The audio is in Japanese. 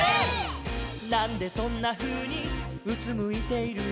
「なんでそんなふうにうつむいているの」